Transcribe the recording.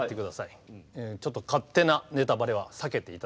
ちょっと勝手なネタバレは避けていただきたいと思います。